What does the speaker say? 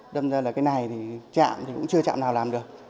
đâm ra là cái này thì trạm thì cũng chưa chạm nào làm được